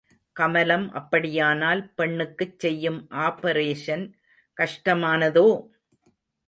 கமலம் அப்படியானால் பெண்ணுக்குச் செய்யும் ஆப்பரேஷன் கஷ்டமானதோ?